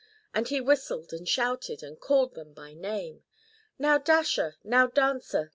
And he whistled, and shouted, and called them by name ; u Now, Dasher ! now, Dancer